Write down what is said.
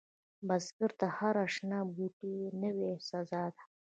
بزګر ته هره شنه بوټۍ نوې سا ده